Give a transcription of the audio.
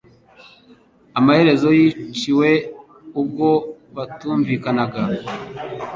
Amaherezo yiciwe ubwo batumvikanaga.